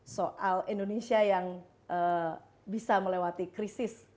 soal indonesia yang bisa melewati krisis